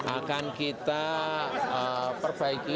akan kita perbaiki